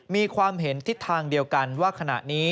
มีความเห็นทิศทางเดียวกันว่าขณะนี้